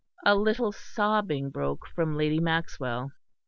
A little sobbing broke from Lady Maxwell.